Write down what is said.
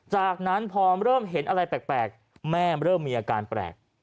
จากนั้นพอเริ่มเห็นอะไรแปลกแม่เริ่มมีอาการแปลก